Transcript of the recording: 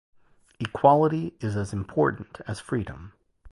Equality is as important as freedom.